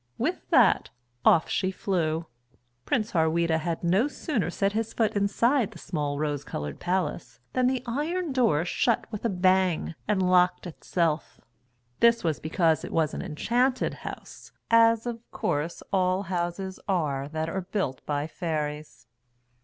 With that, off she flew. Prince Harweda had no sooner set his foot inside the small rose coloured palace than the iron door shut with a bang and locked itself. This was because it was an enchanted house, as of course all houses are that are built by fairies.